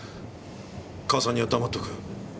母さんには黙っとく。